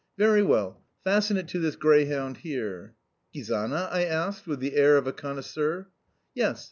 "Very well. Fasten it to this greyhound here." "Gizana?" I asked, with the air of a connoisseur. "Yes.